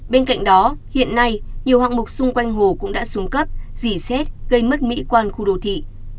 bên cạnh đó hiện nay nhiều hạng mục xung quanh hồ cũng đã xuống cấp dì xét gây mất mỹ quan khu đô thị